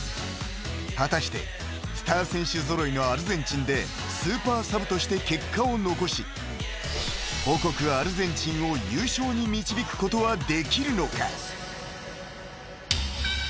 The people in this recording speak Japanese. ［果たしてスター選手揃いのアルゼンチンでスーパーサブとして結果を残し母国アルゼンチンを優勝に導くことはできるのか？］